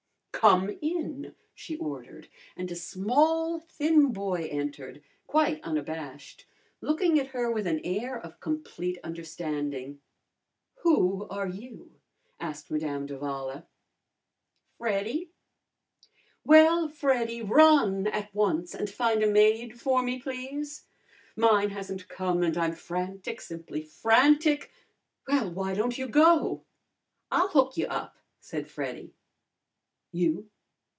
"Come in!" she ordered, and a small thin boy entered, quite unabashed, looking at her with an air of complete understanding. "Who are you?" asked Madame d'Avala. "Freddy." "Well, Freddy, run at once and find a maid for me, please. Mine hasn't come, and I'm frantic, simply frantic. Well, why don't you go?" "I'll hook you up," said Freddy. "You!"